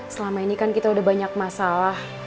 selama ini kan kita udah banyak masalah